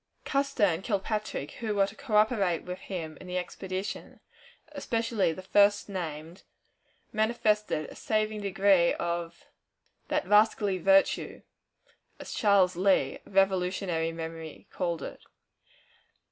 Custer and Kilpatrick, who were to coöperate with him in the expedition, especially the first named, manifested a saving degree of "that rascally virtue," as Charles Lee, of Revolutionary memory, called it.